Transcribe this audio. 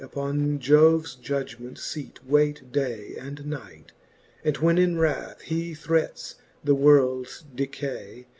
Upon Jo'ves judgement feat wayt day and night. And when in wrath he threats the world's decay.